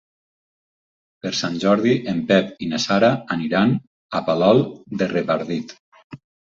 Per Sant Jordi en Pep i na Sara iran a Palol de Revardit.